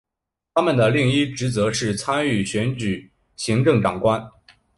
他们的另一职责是参与选举行政长官。